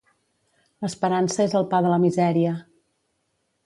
L'esperança és el pa de la misèria.